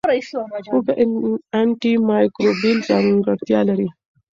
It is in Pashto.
هوږه انټي مایکروبیل ځانګړتیا لري.